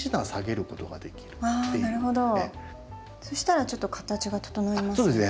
そしたらちょっと形が整いますね。